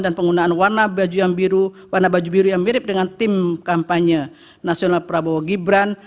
dan penggunaan warna baju biru yang mirip dengan tim kampanye nasional prabowo gibran